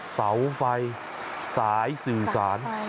เสาไฟสายสื่อสาร